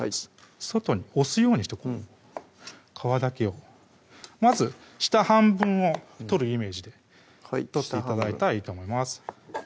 外に押すようにしてこう皮だけをまず下半分を取るイメージで取って頂いたらいいと思います